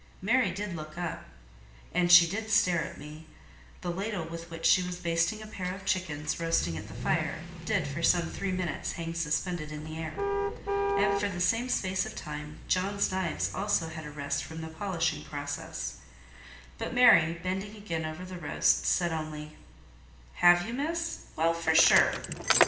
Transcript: Mary did look up, and she did stare at me: the ladle with which she was basting a pair of chickens roasting at the fire, did for some three minutes hang suspended in air; and for the same space of time John's knives also had rest from the polishing process: but Mary, bending again over the roast, said only— "Have you, Miss? Well, for sure!"